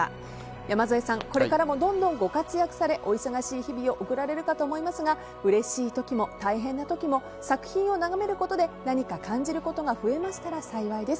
山添さん、これからもどんどんご活躍されお忙しい日々を送られると思いますがうれしい時も悲しい時も作品を眺める時間が増えましたら幸いです。